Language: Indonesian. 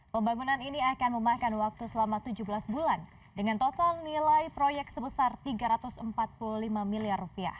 pembangunan ini akan memakan waktu selama tujuh belas bulan dengan total nilai proyek sebesar rp tiga ratus empat puluh lima miliar